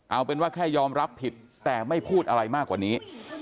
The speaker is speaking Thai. เอาเป็นว่าแค่ยอมรับผิดแต่ไม่พูดอะไรมากกว่านี้